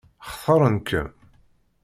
Xtaṛen-kem?